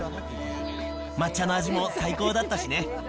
抹茶の味も最高だったしね。